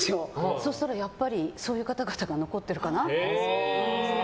そうしたら、やっぱりそういう方々が残ってるかな。